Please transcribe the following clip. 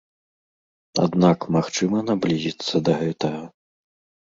Аднак магчыма наблізіцца да гэтага.